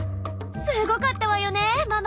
すごかったわよねママ。